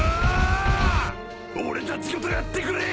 俺たちごとやってくれ！